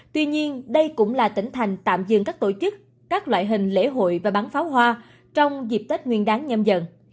tuy nhiên đây cũng là tỉnh thành tạm dừng các tổ chức các loại hình lễ hội và bán pháo hoa trong dịp tết nguyên đáng nhâm dần